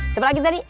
siapa lagi tadi